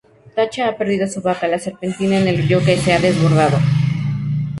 Tacha ha perdido su vaca, la Serpentina, en el río que se ha desbordado.